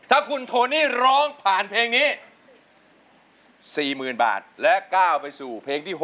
ถ้าคุณโทนี่ร้องผ่านเพลงนี้๔๐๐๐บาทและก้าวไปสู่เพลงที่๖